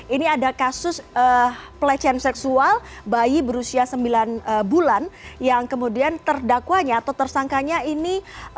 ini ada kasus pelecehan seksual bayi berusia sembilan bulan yang kemudian terdakwanya atau tersangkanya ini